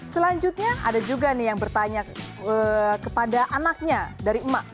selanjutnya ada juga nih yang bertanya kepada anaknya dari emak